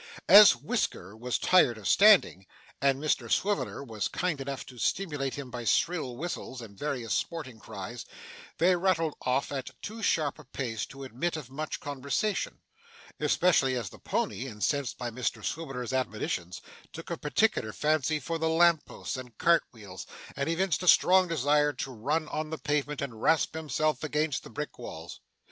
As Whisker was tired of standing, and Mr Swiveller was kind enough to stimulate him by shrill whistles, and various sporting cries, they rattled off at too sharp a pace to admit of much conversation: especially as the pony, incensed by Mr Swiveller's admonitions, took a particular fancy for the lamp posts and cart wheels, and evinced a strong desire to run on the pavement and rasp himself against the brick walls.